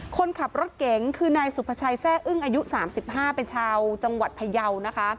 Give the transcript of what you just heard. คนขับรถเก๋งคือนายสุภาชัยแร่อึ้งอายุ๓๕เป็นชาวจังหวัดพยาวนะคะ